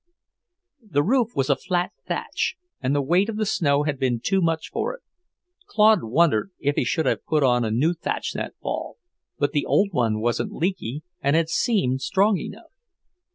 The roof was a flat thatch, and the weight of the snow had been too much for it. Claude wondered if he should have put on a new thatch that fall; but the old one wasn't leaky, and had seemed strong enough.